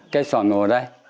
cây xoạn ngủ ở đây